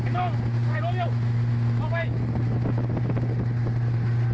งั่งพักลงอยู่ไหร่ครับ